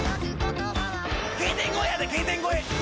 Ｋ点越えやでＫ点越え。